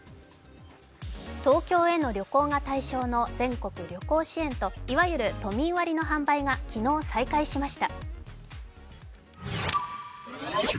東京への旅行が対象の全国旅行支援と、いわゆる都民割の販売が昨日再開しました。